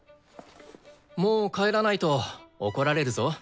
もう帰らないと怒られるぞ。